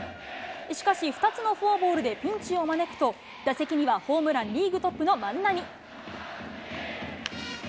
しかし、２つのフォアボールでピンチを招くと、打席にはホームランリーグトップの万波。